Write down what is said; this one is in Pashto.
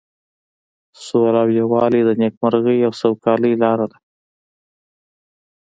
سوله او یووالی د نیکمرغۍ او سوکالۍ لاره ده.